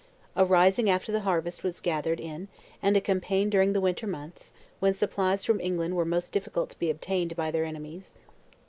A rising after the harvest was gathered in, and a campaign during the winter months, when supplies from England were most difficult to be obtained by their enemies.